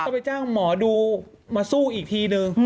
ก็ต้องไปจ้างหมอดูมาสู้อีกทีหนึ่ง